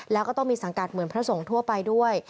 แล้วก็ต้องมีสังกัดเหมือนพระสงฆ์ทั่วไปด้วย